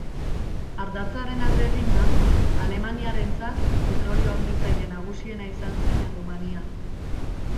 Ardatzaren alde eginda, Alemaniarentzat petrolio hornitzaile nagusiena izan zen Errumania.